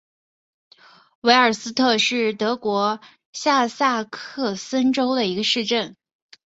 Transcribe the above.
维尔斯特是德国下萨克森州的一个市镇。